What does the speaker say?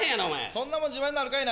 そんなもん自慢になるかいな。